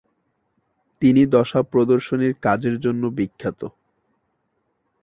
তিনি দশা প্রদর্শনীর কাজের জন্য বিখ্যাত।